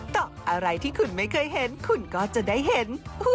อะไรที่คุณไม่เคยเห็นคุณก็จะได้เห็น